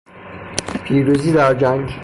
پیروزی در جنگ